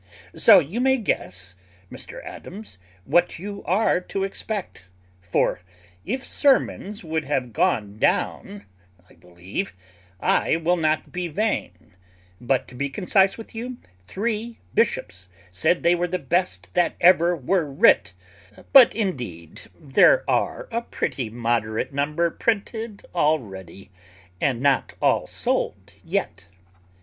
So you may guess, Mr Adams, what you are to expect; for if sermons would have gone down, I believe I will not be vain; but to be concise with you, three bishops said they were the best that ever were writ: but indeed there are a pretty moderate number printed already, and not all sold yet."